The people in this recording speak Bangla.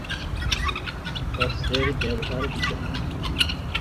অস্ত্রের ব্যবহার বিচক্ষণ।